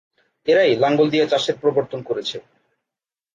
এরাই লাঙ্গল দিয়ে চাষের প্রবর্তন করেছে।